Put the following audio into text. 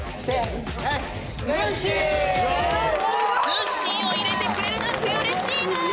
ぬっしーを入れてくれるなんてうれしいぬん！